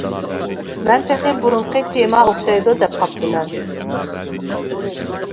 مەن تېخى بۇرۇنقى تېما ئوخشايدۇ دەپ قاپتىمەن.